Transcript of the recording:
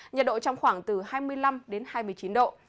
nhiệt độ trong khoảng từ hai mươi năm đến hai mươi chín độ